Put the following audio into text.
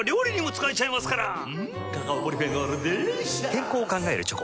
健康を考えるチョコ。